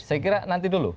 saya kira nanti dulu